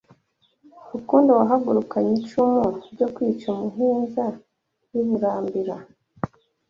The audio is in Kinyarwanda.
Rugondo wahagurukanye icumu ryo kwica umuhinza w'i Burambira